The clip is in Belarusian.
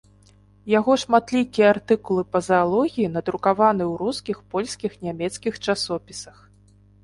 Яго шматлікія артыкулы па заалогіі надрукаваны ў рускіх, польскіх, нямецкіх часопісах.